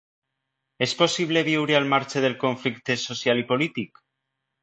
És possible viure al marge del conflicte social i polític?